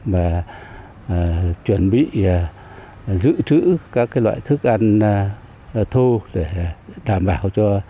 và chuẩn bị dự trữ các loại thức ăn thô để đảm bảo cho